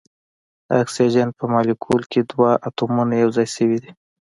د اکسیجن په مالیکول کې دوه اتومونه یو ځای شوي دي.